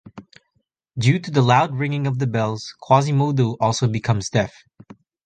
Due to the loud ringing of the bells, Quasimodo also becomes deaf.